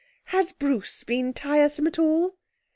Has Bruce been tiresome at all?'